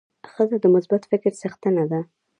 ښځه د مثبت فکر څښتنه ده.